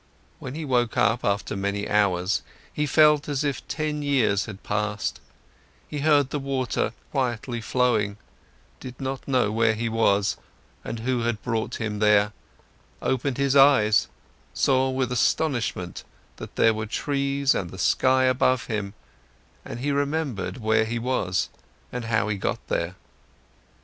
When he woke up after many hours, he felt as if ten years had passed, he heard the water quietly flowing, did not know where he was and who had brought him here, opened his eyes, saw with astonishment that there were trees and the sky above him, and he remembered where he was and how he got here.